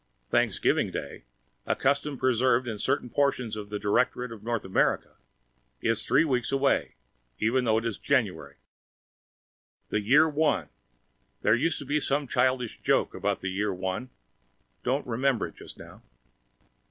Thanksgiving Day, a custom preserved in certain portions of the Directorate of North America, is three weeks away even though it is January. The Year One. There used to be some childish joke about the Year One. Don't remember it just now.